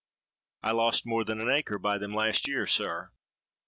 I lost more than an acre by them last year, sir.'